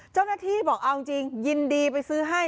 เจ้าหน้าที่บอกเอาจริงยินดีไปซื้อให้